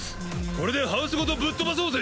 これでハウスごとぶっ飛ばそうぜ！